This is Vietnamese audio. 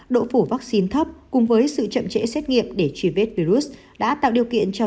độ phủ vaccine thấp cùng với sự chậm trễ xét nghiệm để truy vết virus đã tạo điều kiện cho